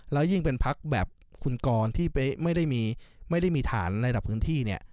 แล้วยิ่งเป็นพักแบบคุณกรที่ไม่ได้มีฐานในระดับพื้นที่เนี่ย